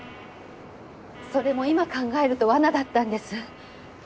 それも今考えると罠だったんです。